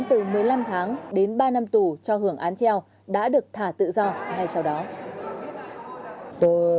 từ một mươi năm tháng đến ba năm tù cho hưởng án treo đã được thả tự do ngay sau đó